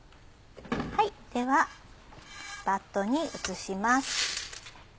ではバットに移します。